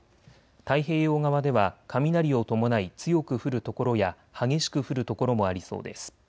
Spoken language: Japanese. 太平洋側では雷を伴い強く降る所や激しく降る所もありそうです。